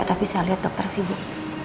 tapi saya lihat dokter sibuk